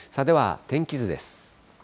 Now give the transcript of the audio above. では、天気図です。